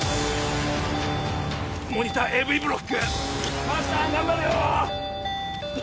モニターＡＶブロック真紀さん頑張るよ！